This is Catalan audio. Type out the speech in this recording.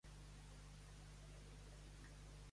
Es troba a Nord-amèrica, incloent-hi Mèxic.